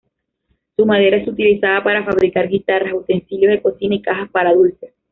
Su madera es utilizada para fabricar guitarras, utensilios de cocina y cajas para dulces.